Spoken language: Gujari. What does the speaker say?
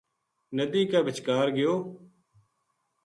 ندی کے بچکار گیو